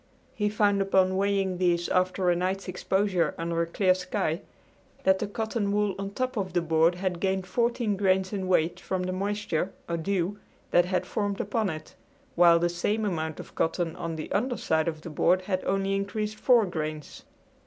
He found upon weighing these after a night's exposure under a clear sky that the cotton wool on top of the board had gained fourteen grains in weight from the moisture, or dew, that had formed upon it, while the same amount of cotton on the under side of the board had only increased four grains.